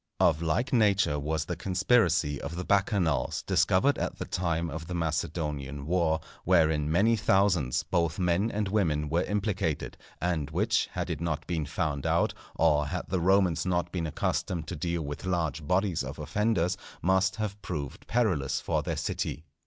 Of like nature was the conspiracy of the Bacchanals, discovered at the time of the Macedonian war, wherein many thousands, both men and women, were implicated, and which, had it not been found out, or had the Romans not been accustomed to deal with large bodies of offenders, must have proved perilous for their city.